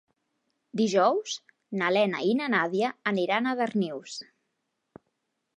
Dijous na Lena i na Nàdia aniran a Darnius.